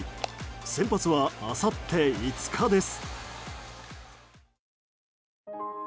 先発は、あさって５日です。